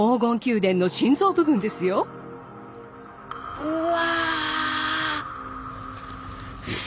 うわ！